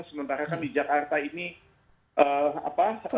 sementara kan di jakarta ini apa